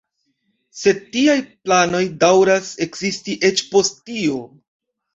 Sed tiaj planoj daŭras ekzisti eĉ post tio.